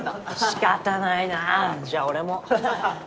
仕方ないなぁじゃあ俺も。